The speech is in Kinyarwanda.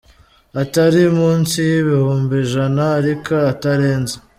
atari munsi y’ibihumbi ijana ariko atarenze